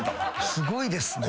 すごいですね。